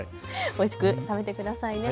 おいしく食べてくださいね。